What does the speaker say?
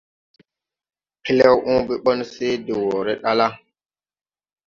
Klew oobe ɓɔn se de wɔɔre ɗa la,